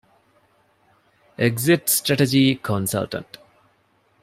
އެގްޒިޓް ސްޓްރެޓަޖީ ކޮންސަލްޓަންޓް